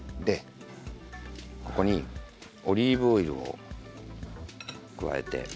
鍋にオリーブオイルを加えて。